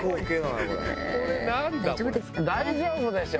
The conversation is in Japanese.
大丈夫でしょ。